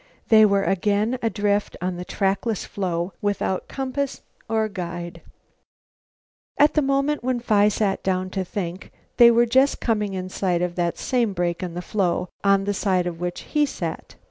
They were again adrift on the trackless floe without compass or guide. At the moment when Phi sat down to think, they were just coming in sight of that same break in the floe, on the side of which he sat.